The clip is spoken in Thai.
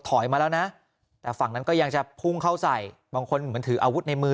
มาแล้วนะแต่ฝั่งนั้นก็ยังจะพุ่งเข้าใส่บางคนเหมือนถืออาวุธในมือ